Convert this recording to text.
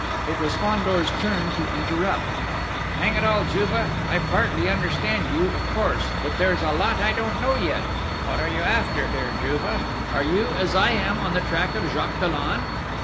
It was Fandor's turn to interrupt: "Hang it all, Juve! I partly understand you, of course; but there's a lot I don't know yet.... What are you after, dear Juve? Are you, as I am, on the track of Jacques Dollon?"